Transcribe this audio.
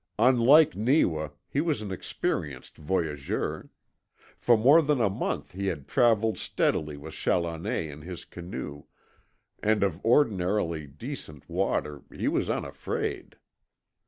Unlike Neewa he was an experienced VOYAGEUR. For more than a month he had travelled steadily with Challoner in his canoe, and of ordinarily decent water he was unafraid.